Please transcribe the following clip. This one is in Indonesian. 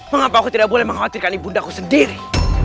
mengapa aku tidak boleh mengkhawatirkan ibu undaku sendiri